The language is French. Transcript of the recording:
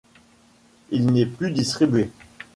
Il n'est plus distribué.